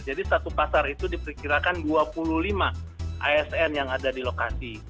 jadi satu pasar itu diperkirakan dua puluh lima asn yang ada di lokasi